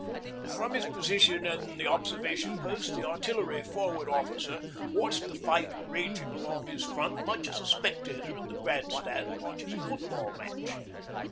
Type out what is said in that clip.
From his position in the 'Observation Post' the Artillery Forward Officer watched the fight raging along his front much as a spectator in the grand stand watches a football match.